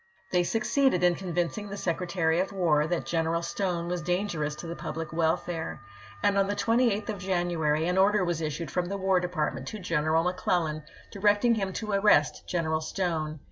They succeeded in convincing the Secre tary of War that Greneral Stone was dangerous to the public welfare, and on the 28th of January an order was issued from the War Department to General McClellan directing him to arrest General Stone.